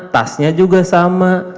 tasnya juga sama